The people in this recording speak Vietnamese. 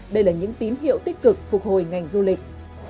đây là những tín hiệu tích cực phục hồi ngành du lịch